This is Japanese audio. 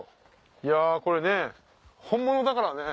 いやこれ本物だからね。